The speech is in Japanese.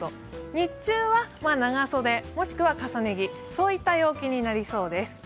日中は長袖もしくは重ね着といった予想になりそうです。